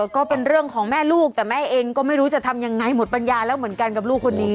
ก็เป็นเรื่องของแม่ลูกแต่แม่เองก็ไม่รู้จะทำยังไงหมดปัญญาแล้วเหมือนกันกับลูกคนนี้